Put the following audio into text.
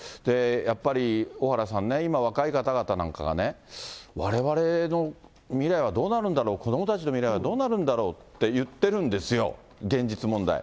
やっぱり小原さんね、今、若い方々なんかがね、われわれの未来はどうなるんだろう、子どもたちの未来はどうなるんだろうっていってるんですよ、現実問題。